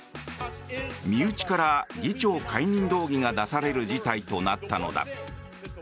身内から議長解任動議が出される事態となったのだ。